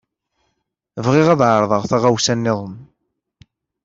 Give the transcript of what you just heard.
Bɣiɣ ad ɛerḍeɣ taɣawsa niḍen.